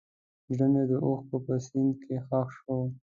زړه مې د اوښکو په سیند کې ښخ شو.